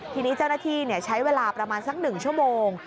ทีนี้เจ้าหน้าที่ใช้เวลาประมาณสัก๑ชั่วโมง